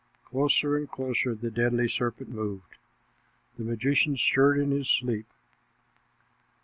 Closer and closer the deadly serpent moved. The magician stirred in his sleep.